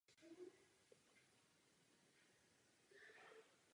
Nedokončil studium práv a poté působil jako vesnický učitel.